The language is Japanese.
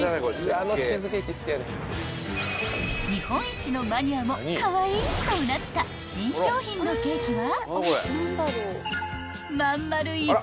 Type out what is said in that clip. ［日本一のマニアもカワイイとうなった新商品のケーキは］